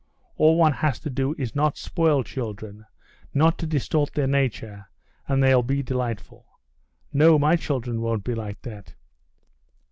All one has to do is not spoil children, not to distort their nature, and they'll be delightful. No, my children won't be like that."